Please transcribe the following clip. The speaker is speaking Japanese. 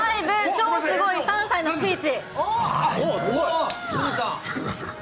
超すごい３歳のスピーチ。